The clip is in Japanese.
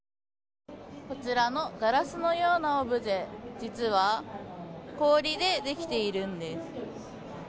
こちらのガラスのようなオブジェ実は氷でできているんです。